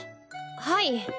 はい。